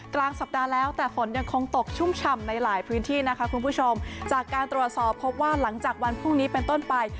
กลางสัปดาห์แล้วแต่ฝนยังคงตกชุ่มฉ่ำในหลายพื้นที่นะคะคุณผู้ชมจากการตรวจสอบพบว่าหลังจากวันพรุ่งนี้เป็นต้นไป